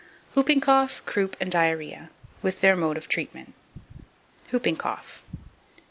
HOOPING COUGH, CROUP, AND DIARRHOEA, WITH THEIR MODE OF TREATMENT. Hooping Cough.